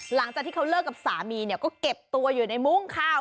หลังจากที่เขาเลิกกับสามีเนี่ยก็เก็บตัวอยู่ในมุ้งข้าว